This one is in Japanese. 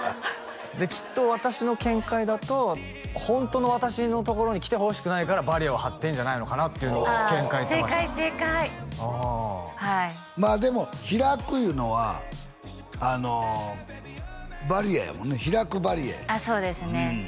できっと私の見解だとホントの私のところに来てほしくないからバリアを張ってんじゃないのかなっていうのをああ正解正解はいまあでも開くいうのはバリアやもんね開くバリアやああそうですね